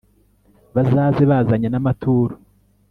baze bazanye n'amaturo